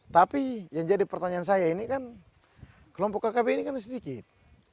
tapi yang jadi pertanyaan saya ini kan kelompok kkb ini kan sedikit